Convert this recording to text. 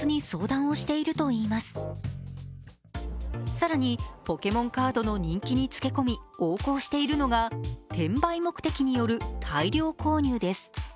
更に、ポケモンカードの人気につけこみ横行しているのが転売目的による大量購入です。